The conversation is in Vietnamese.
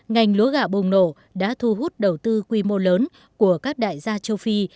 ngành lúa gạo bùng nổ đã thu hút đầu tư quy mô lớn của các đại gia châu phi